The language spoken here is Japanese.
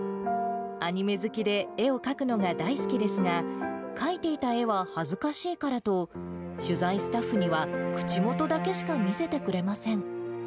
アニメ好きで、絵を描くのが大好きですが、描いていた絵は、恥ずかしいからと取材スタッフには、口元だけしか見せてくれません。